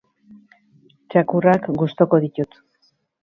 Txakurrak gustuko ditut.